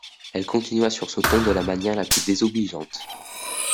Elle continua sur ce ton de la manière la plus désobligeante.